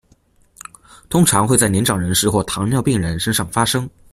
通常会在年长人士或糖尿病人身上发生。